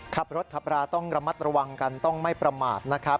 ขับรถขับราต้องระมัดระวังกันต้องไม่ประมาทนะครับ